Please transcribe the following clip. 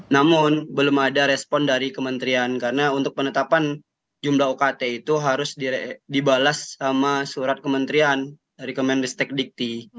namun belum ada respon dari kementerian karena untuk penetapan jumlah ukt itu harus dibalas sama surat kementerian dari kemendestek dikti